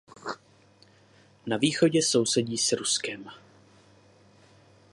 Na východě sousedí s Ruskem.